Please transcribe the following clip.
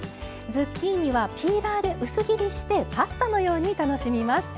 ズッキーニはピーラーで薄切りしてパスタのように楽しみます。